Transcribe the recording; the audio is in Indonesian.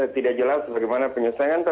tidak jelas bagaimana penyelesaian